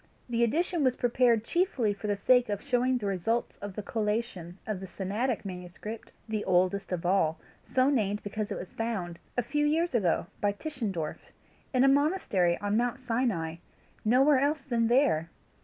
The edition was prepared chiefly for the sake of showing the results of the collation of the Sinaitic manuscript, the oldest of all, so named because it was found a few years ago, by Tischendorf in a monastery on Mount Sinai nowhere else than there!